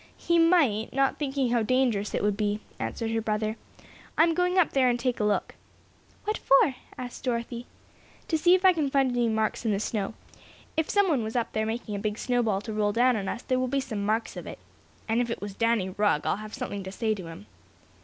"He might; not thinking how dangerous it would be," answered her brother. "I'm going up there and take a look." "What for?" asked Dorothy. "To see if I can find any marks in the snow. If someone was up there making a big snow ball to roll down on us there will be some marks of it. And if it was Danny Rugg I'll have something to say to him."